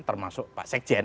termasuk pak sekjen